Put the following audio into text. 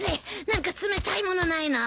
何か冷たいものないの？